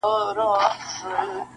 چا راوستي وي وزګړي او چا مږونه,